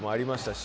し